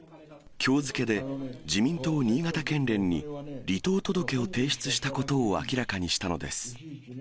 きょう付けで自民党新潟県連に離党届を提出したことを明らかにしたのです。